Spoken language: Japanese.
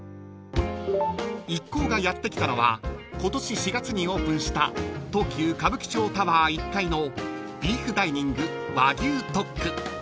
［一行がやって来たのは今年４月にオープンした東急歌舞伎町タワー１階の］